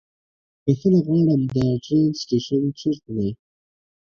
بښنه غواړم، د ټرين سټيشن چيرته ده؟